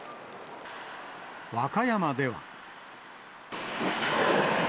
和歌山では。